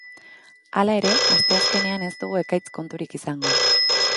Hala ere, asteazkenean ez dugu ekaitz konturik izango.